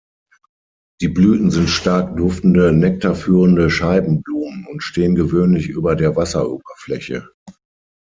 Die Blüten sind stark duftende „Nektar führende Scheibenblumen“ und stehen gewöhnlich über der Wasseroberfläche.